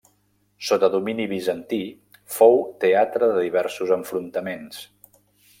Sota domini bizantí fou teatre de diversos enfrontaments.